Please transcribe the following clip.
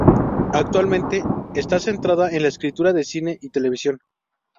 Actualmente está centrada en la escritura de cine y televisión.